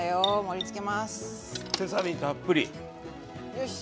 よし。